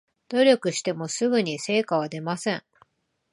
努力してもすぐに成果は出ません